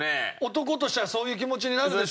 男としてはそういう気持ちになるでしょ？